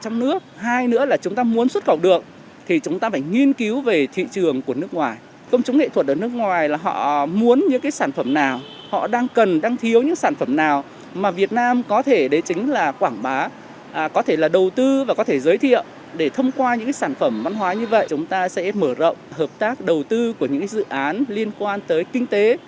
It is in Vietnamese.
mặc dù trải qua những sản phẩm văn hóa như vậy chúng ta sẽ mở rộng hợp tác đầu tư của những dự án liên quan tới kinh tế